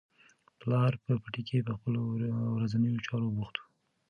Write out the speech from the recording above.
پلار په پټي کې په خپلو ورځنیو چارو بوخت و.